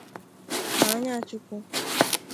ma n'anya Chukwu